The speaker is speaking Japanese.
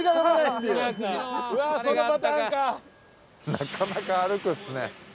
なかなか歩くっすね。